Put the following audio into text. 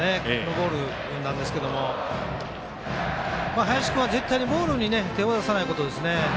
ボールなんですけども林君は、絶対にボールに手を出さないことですね。